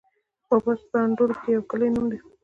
باټا په اندړو کي د يو کلي نوم دی